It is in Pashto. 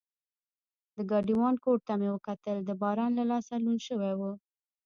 د ګاډیوان کوټ ته مې وکتل، باران له لاسه لوند شوی و.